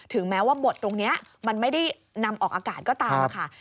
แม้ว่าบทตรงนี้มันไม่ได้นำออกอากาศก็ตามค่ะ